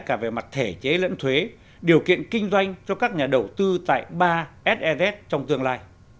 cả về mặt thể chế lẫn thuế điều kiện kinh doanh cho các nhà đầu tư tại ba sez trong tương lai